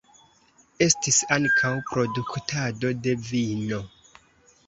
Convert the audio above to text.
Estis ankaŭ produktado de vino.